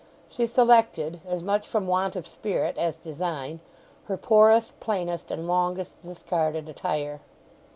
She selected—as much from want of spirit as design—her poorest, plainest and longest discarded attire.